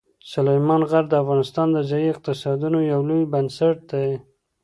سلیمان غر د افغانستان د ځایي اقتصادونو یو لوی بنسټ دی.